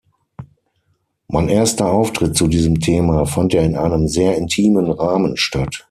Mein erster Auftritt zu diesem Thema fand in einem sehr intimen Rahmen statt.